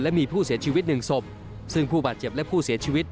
และมีผู้เสียชีวิตหนึ่งศพซึ่งผู้บาดเจ็บและผู้เสียชีวิต